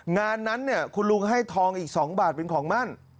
งานนั้นเนี่ยคุณลุงให้ทองอีก๒บาทเป็นของมั่น